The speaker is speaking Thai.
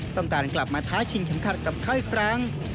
ต้องการกลับมาท้าชิงเข็มขัดกับเขาอีกครั้ง